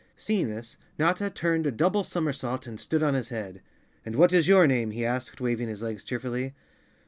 Seeing this, Notta turned a double somersault and stood on his head. "And what is your name?" he asked, waving his legs cheerfully.